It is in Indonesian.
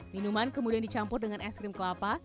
minuman kemudian dicampur dengan es krim kelapa